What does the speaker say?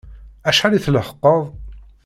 Acḥal i tleḥqeḍ?